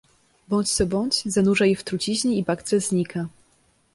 "Bądź co bądź zanurza je w truciźnie i bakcyl znika."